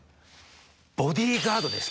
ボディガードですね。